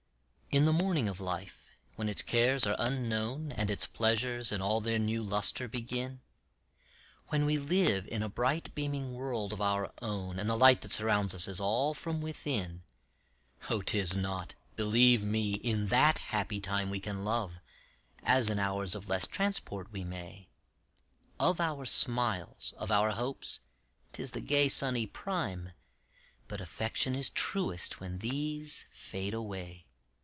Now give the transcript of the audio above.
In the morning of life, when its cares are unknown, And its pleasures in all their new lustre begin, When we live in a bright beaming world of our own, And the light that surrounds us is all from within; Oh 'tis not, believe me, in that happy time We can love, as in hours of less transport we may; Of our smiles, of our hopes, 'tis the gay sunny prime, But affection is truest when these fade away.